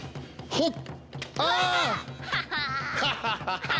ほっ！